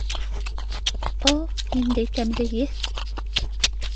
— О-о-о, ниндәй тәмле еҫ!